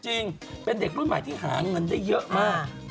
จริงเป็นเด็กรุ่นใหม่ที่หาเงินได้เยอะมาก